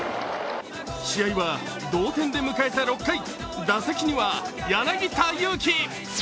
試合は同点で迎えた６回、打席には柳田悠岐。